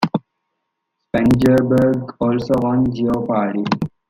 Spangenberg also won Jeopardy!